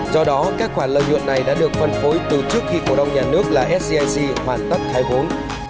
do đó các khoản lợi nhuận này đã được phân phối từ trước khi cổ đồng nhà nước là scic hoàn tất khai hốn